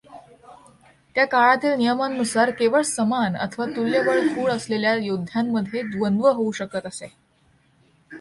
त्या काळातील नियमांनुसार केवळ समान अथवा तुल्यबळ कूळ असलेल्या योद्ध्यांमध्ये द्वंद्व होऊ शकत असे.